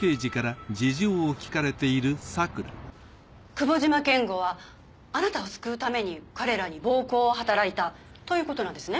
久保島健悟はあなたを救うために彼らに暴行を働いたということなんですね。